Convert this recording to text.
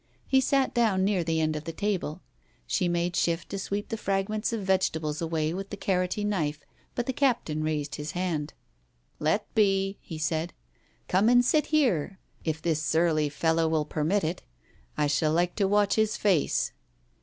He sat down near the end of the table. She made shift to sweep the fragments of vegetables away with the carroty knife, but the captain raised his hand. "Let be !" he said. ... "Come and sit here, if this surly fellow will permit it. I shall like to watch his face."